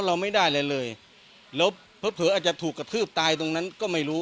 เราไม่ได้อะไรเลยแล้วเผลออาจจะถูกกระทืบตายตรงนั้นก็ไม่รู้